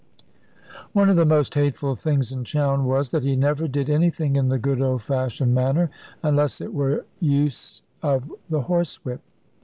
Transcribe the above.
One of the most hateful things in Chowne was, that he never did anything in the good old fashioned manner, unless it were use of the horsewhip.